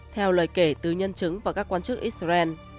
theo lời kể từ nhân chứng và các quan chức israel